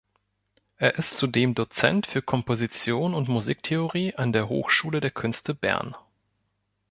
Er ist zudem Dozent für Komposition und Musiktheorie an der Hochschule der Künste Bern.